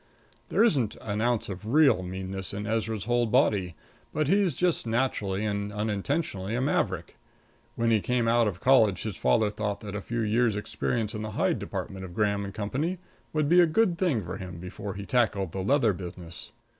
There isn't an ounce of real meanness in Ezra's whole body, but he's just naturally and unintentionally a maverick. When he came out of college his father thought that a few years' experience in the hide department of Graham & Co. would be a good thing for him before he tackled the leather business.